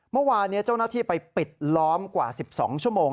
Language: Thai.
เมื่อวานนี้เจ้าหน้าที่ไปปิดล้อมกว่า๑๒ชั่วโมง